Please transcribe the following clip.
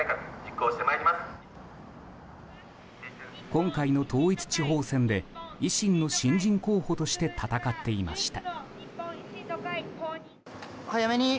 今回の統一地方選で維新の新人候補として戦っていました。